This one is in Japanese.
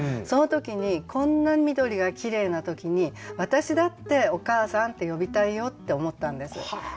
その時にこんな緑がきれいな時に私だって「お母さん」って呼びたいよって思ったんです。